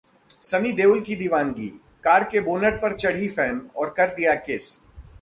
सनी देओल की दीवानगी: कार के बोनट पर चढ़ी फैन और कर दिया किस